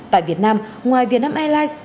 tại việt nam ngoài việt nam airlines